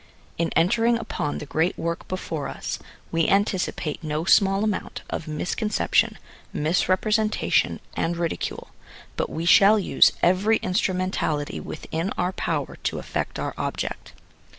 In entering upon the great work before us, we anticipate no small amount of misconception, misrepresentation, and ridicule; but we shall use every instrumentality within our power to effect our object.